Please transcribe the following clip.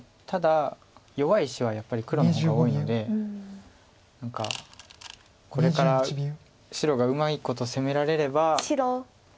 ただ弱い石はやっぱり黒の方が多いので何かこれから白がうまいこと攻められれば。